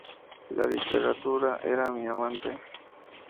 La Literatura era mi amante.